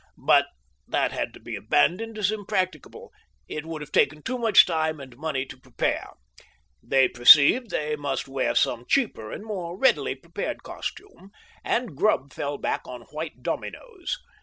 But that had to be abandoned as impracticable, it would have taken too much time and money to prepare. They perceived they must wear some cheaper and more readily prepared costume, and Grubb fell back on white dominoes.